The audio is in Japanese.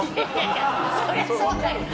そりゃそうだよ。